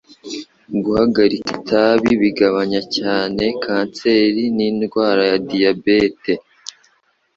Guhagarika itabi bigabanya cyane kanseri n'indwara ya diyabete